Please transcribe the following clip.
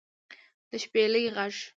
د شپېلۍ غږ